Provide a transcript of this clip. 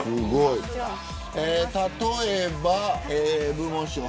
例えば部門賞の＃